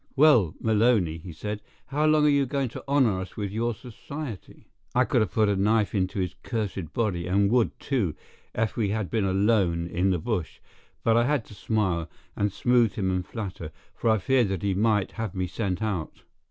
"Well, Maloney," he said, "how long are you going to honor us with your society?" I could have put a knife into his cursed body, and would, too, if we had been alone in the bush; but I had to smile, and smooth him and flatter, for I feared that he might have me sent out.